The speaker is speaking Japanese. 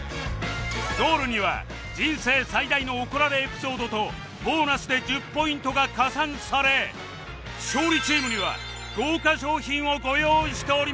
ゴールには人生最大の怒られエピソードとボーナスで１０ポイントが加算され勝利チームには豪華賞品をご用意しております